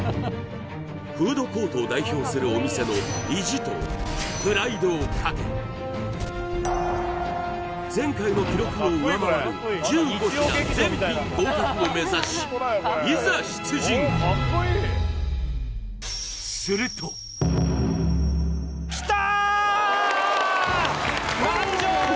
フードコートを代表するお店の意地とプライドをかけ前回の記録を上回る１５品全品合格を目指しいざ出陣きた！